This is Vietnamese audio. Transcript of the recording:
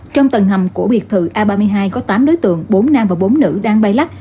trong tầng hầm của biệt thự a ba mươi hai có tám đối tượng bốn nam và bốn nữ đang bay lắc